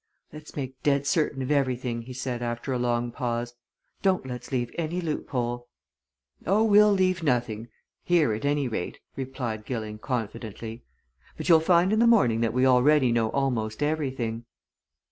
"Let's make dead certain of everything," he said after a long pause. "Don't let's leave any loophole." "Oh, we'll leave nothing here at any rate," replied Gilling, confidently. "But you'll find in the morning that we already know almost everything."